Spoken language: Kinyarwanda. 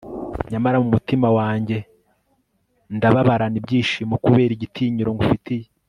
nyamara mu mutima wanjye ndababarana ibyishimo kubera igitinyiro ngufitiye